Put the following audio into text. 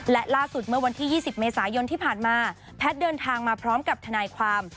และล่าสุดเมื่อวันที่๒๐เมษายนที่ผ่านมาแพทย์เดินทางมาพร้อมกับทนายความ